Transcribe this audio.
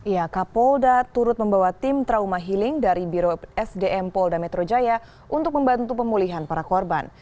ya kapolda turut membawa tim trauma healing dari biro sdm polda metro jaya untuk membantu pemulihan para korban